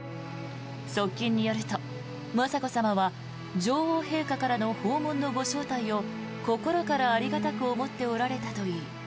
側近によると、雅子さまは女王陛下からの訪問のご招待を心からありがたく思っておられたといい